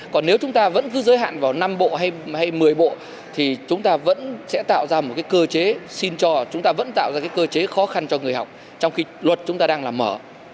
còn nếu chúng ta vẫn cứ giới hạn vào năm bộ hay một mươi bộ thì chúng ta vẫn sẽ tạo ra một cái cơ chế xin cho chúng ta vẫn tạo ra cái cơ chế khó khăn cho người học trong khi luật chúng ta đang là mở